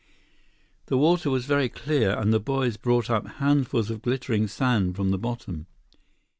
The water was very clear, and the boys brought up handfuls of glittering sand from the bottom.